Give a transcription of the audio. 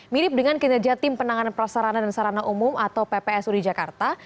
mirip dengan kinerja tim penanganan prasarana dan sarana umum atau ppsu di jakarta